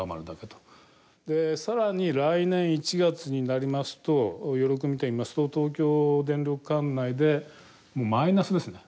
で更に来年１月になりますと余力見てみますと東京電力管内でマイナスですね。